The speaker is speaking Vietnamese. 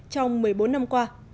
trong một mươi bốn năm